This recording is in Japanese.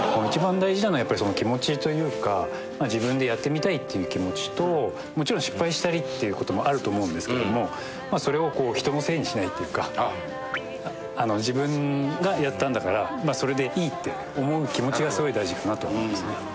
一番大事なのはやっぱり気持ちというか自分でやってみたいっていう気持ちともちろん失敗したりっていうこともあると思うんですけどもそれを人のせいにしないっていうか自分がやったんだからそれでいいって思う気持ちがすごい大事かなと思いますね